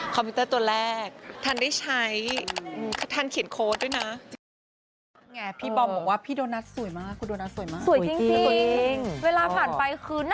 พิวเตอร์ตัวแรกทันได้ใช้ทันเขียนโค้ดด้วยนะ